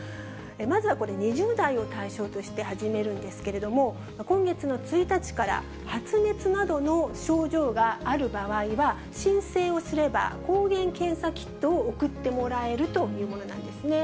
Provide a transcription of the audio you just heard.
まずはこれ、２０代を対象として始めるんですけれども、今月の１日から発熱などの症状がある場合は、申請をすれば抗原検査キットを送ってもらえるというものなんですね。